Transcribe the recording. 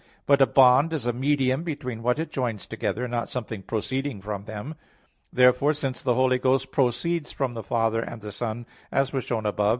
But a bond is a medium between what it joins together, not something proceeding from them. Therefore, since the Holy Ghost proceeds from the Father and the Son, as was shown above (Q.